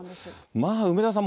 まあ、梅沢さん